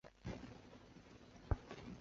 朗科尼。